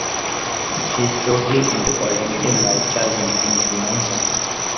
She’s totally into alternative lifestyles and things, you know?